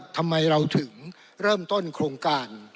ทำไมเราถึงเริ่มต้นโครงการ